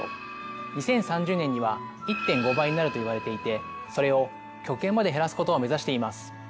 ２０３０年には１．５倍になるといわれていてそれを極限まで減らすことを目指しています。